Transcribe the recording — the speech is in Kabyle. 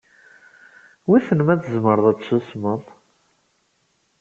Wissen ma tzemreḍ ad tessusmeḍ?